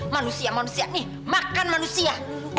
manusia manusia nih makan manusia